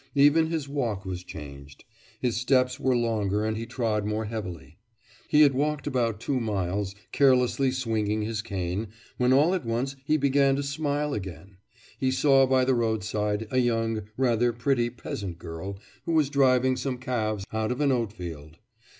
Even his walk was changed; his steps were longer and he trod more heavily. He had walked about two miles, carelessly swinging his cane, when all at once he began to smile again: he saw by the roadside a young, rather pretty peasant girl, who was driving some calves out of an oat field.